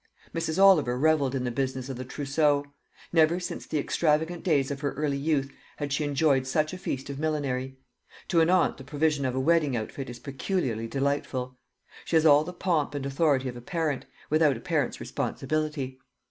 Mrs. Oliver revelled in the business of the trousseau. Never since the extravagant days of her early youth had she enjoyed such a feast of millinery. To an aunt the provision of a wedding outfit is peculiarly delightful. She has all the pomp and authority of a parent, without a parent's responsibility.